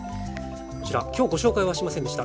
こちら今日ご紹介はしませんでした。